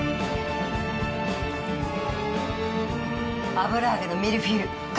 油揚げのミルフィーユ完成。